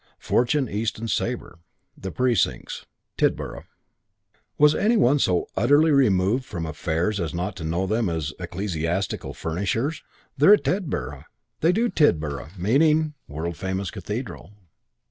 Fortune, East and Sabre, The Precincts, Tidborough. Was any one so utterly removed from affairs as not to know them as ecclesiastical furnishers? "They're at Tidborough. They do Tidborough" (meaning the world famous cathedral).